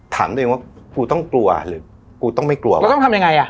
ถามตัวเองว่ากูต้องกลัวหรือกูต้องไม่กลัวกูแล้วต้องทำยังไงอ่ะ